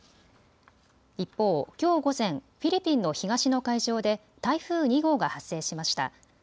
一方、きょう午前、フィリピンの東の海上で台風２号が発生しました。